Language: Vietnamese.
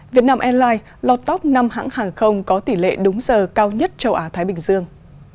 việt nam airlines lọt top năm hãng hàng không có tỷ lệ đúng giờ cao nhất châu á thái bình dương